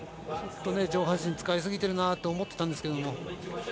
上半身使いすぎてるなと思ってたんですけども。